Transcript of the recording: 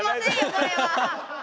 これは！